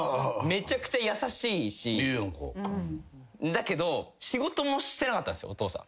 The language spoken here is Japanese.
だけど仕事もしてなかったんですよお父さん。